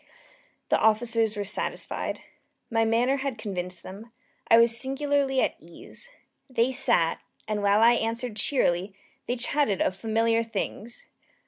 The officers were satisfied. My manner had convinced them. I was singularly at ease. They sat, and while I answered cheerily, they chatted of familiar things.